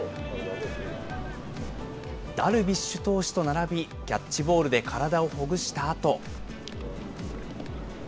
ダルビッシュ投手と並び、キャッチボールで体をほぐしたあと。